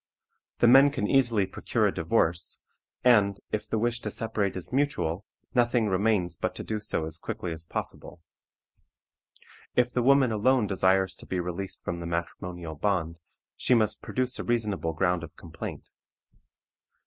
The men can easily procure a divorce, and, if the wish to separate is mutual, nothing remains but to do so as quickly as possible. If the woman alone desires to be released from the matrimonial bond, she must produce a reasonable ground of complaint.